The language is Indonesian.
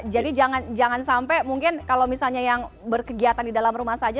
jadi jangan sampai mungkin kalau misalnya yang berkegiatan di dalam rumah saja